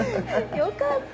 よかった。